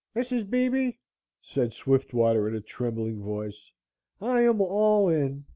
"Mrs. Beebe," said Swiftwater in a trembling voice, "I am all in.